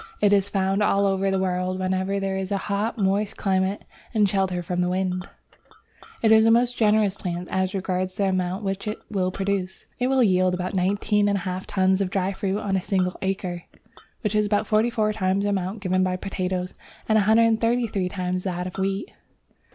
It is found all over the world wherever there is a hot, moist climate and shelter from wind. It is a most generous plant as regards the amount which it will produce. It will yield about 19 1/2 tons of dry fruit on a single acre, which is about forty four times the amount given by potatoes and 133 times that of wheat.